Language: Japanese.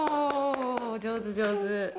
上手、上手。